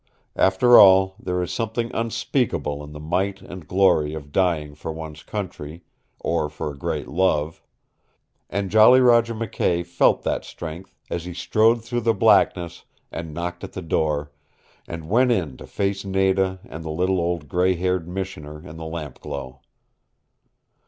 After all, there is something unspeakable in the might and glory of dying for one's country or for a great love. And Jolly Roger McKay felt that strength as he strode through the blackness, and knocked at the door, and went in to face Nada and the little old gray haired Missioner in the lampglow.